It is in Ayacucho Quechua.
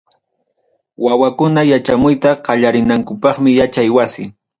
wawakuna yachamuyta qallarinankupaqmi yachay wasi.